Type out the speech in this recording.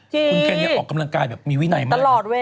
คุณแกนออกกำลังกายแบบมีวินัยมาก